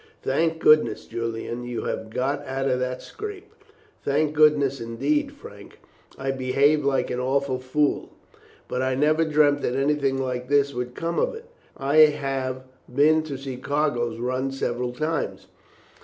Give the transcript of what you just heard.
"Thank goodness, Julian, you have got out of that scrape." "Thank goodness, indeed, Frank. I behaved like an awful fool, but I never dreamt that anything like this would come of it. I have been to see cargoes run several times.